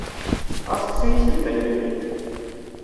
Ɣas kkes aya seg lbal-nnek!